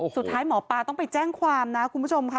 สุดท้ายหมอปลาต้องไปแจ้งความนะคุณผู้ชมค่ะ